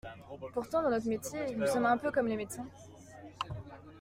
Pourtant, dans notre métier, nous sommes un peu comme les médecins.